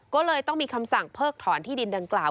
ก็เลยต้องมีคำสั่งเพิกถอนที่ดินดังกล่าว